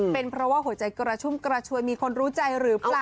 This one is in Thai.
เป็นเพราะว่าหัวใจกระชุ่มกระชวยมีคนรู้ใจหรือเปล่า